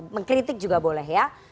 mengkritik juga boleh ya